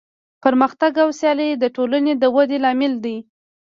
پرمختګ او سیالي د ټولنې د ودې لامل دی.